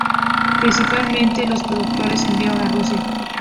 Principalmente, los productos se enviaron a Rusia.